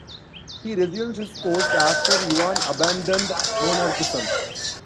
He resumed his post after Yuan abandoned monarchism.